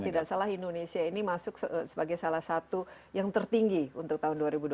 kalau tidak salah indonesia ini masuk sebagai salah satu yang tertinggi untuk tahun dua ribu dua puluh